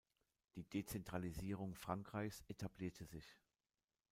Die Dezentralisierung Frankreichs etablierte sich.